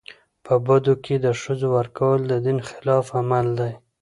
په بدو کي د ښځو ورکول د دین خلاف عمل دی.